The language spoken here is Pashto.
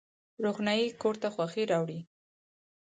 روښنايي کور ته خوښي راوړي